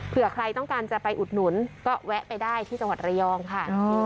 เพื่อใครต้องการจะไปอุดหนุนก็แวะไปได้ที่จังหวัดระยองค่ะ